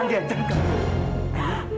jangan kamu dengar akal akalan dia